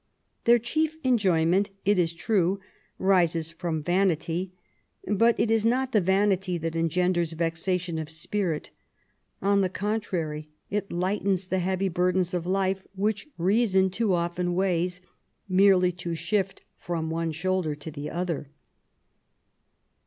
Their chief enjoyment, it is true, rises from yanity; but it is not the yanity that engenders yexation of spirit: on the contrary, it lightens the heayy burden of life, which reason too often weighs, merely to shift from one shoulder to the other.